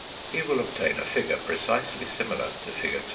He will obtain a figure precisely similar to Fig.